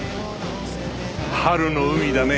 春の海だね。